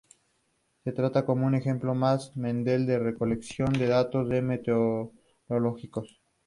Se trata como un ejemplo más de Mendel en la recolección de datos meteorológicos.